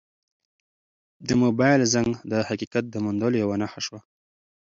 د موبایل زنګ د حقیقت د موندلو یوه نښه شوه.